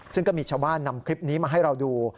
ซึ่งก็มีชาวบ้านนำคลิปนี้มาให้เราดู